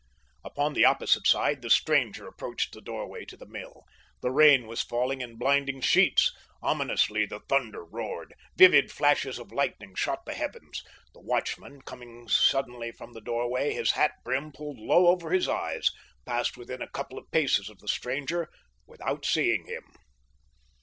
Upon the opposite side the stranger approached the doorway to the mill. The rain was falling in blinding sheets. Ominously the thunder roared. Vivid flashes of lightning shot the heavens. The watchman, coming suddenly from the doorway, his hat brim pulled low over his eyes, passed within a couple of paces of the stranger without seeing him.